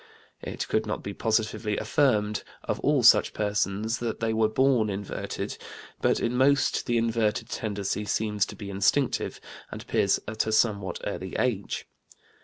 It could not be positively affirmed of all such persons that they were born inverted, but in most the inverted tendency seems to be instinctive, and appears at a somewhat early age.